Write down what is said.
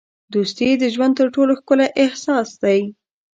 دوستي د ژوند تر ټولو ښکلی احساس دی.